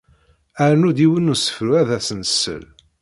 Rnu-d yiwen n usefru ad as-nsel.